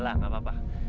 udahlah gak apa apa